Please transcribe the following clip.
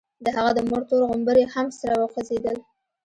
د هغه د مور تور غومبري هم سره وخوځېدل.